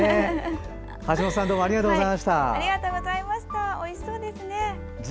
橋本さんありがとうございました。